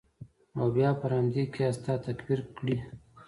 او بیا پر همدې قیاس تا تکفیر کړي.